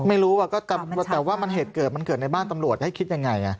ไม่รู้ว่าแต่ว่ามันเหตุเกิดมันเกิดในบ้านตำรวจให้คิดยังไง